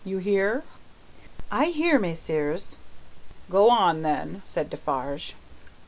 You hear?" "I hear, messieurs." "Go on then," said Defarge.